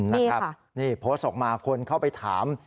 นี่ค่ะโพสต์ออกมาคนเข้าไปถาม